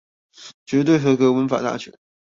絕對合格文法大全